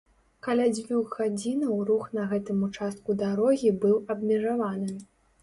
Каля дзвюх гадзінаў рух на гэтым участку дарогі быў абмежаваны.